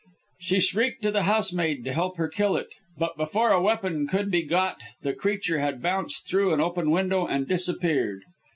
She shrieked to the housemaid to help her kill it, but before a weapon could be got, the creature had bounced through an open window, and disappeared.